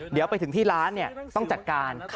เดี๋ยวไปถึงที่ร้านต้องจัดการ